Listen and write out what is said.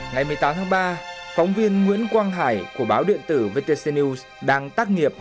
ngày một mươi tám tháng ba phóng viên nguyễn quang hải của báo điện tử vtc news đang tác nghiệp